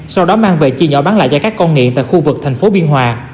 sau đó mang về chi nhỏ bán lại cho các con nghiện tại khu vực tp biên hòa